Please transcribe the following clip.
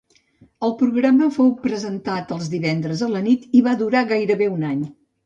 El programa fou presentat els divendres a la nit i va durar gairebé un any.